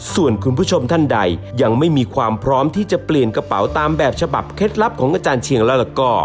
ส่วนคุณผู้ชมท่านใดยังไม่มีความพร้อมที่จะเปลี่ยนกระเป๋าตามแบบฉบับเคล็ดลับของอาจารย์เชียงแล้วก็